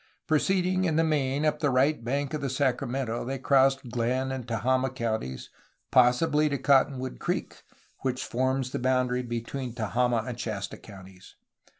Proceeding, in the main, up the right bank of the Sacramento they crossed Glenn and Tehama counties possibly to Cottonwood Creek, which forms the boundary between Tehama and Shasta counties.